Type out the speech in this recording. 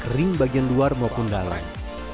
kering bagian luar maupun dalam